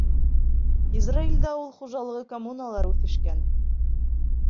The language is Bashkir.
Израилдә ауыл хужалығы коммуналары үҫешкән.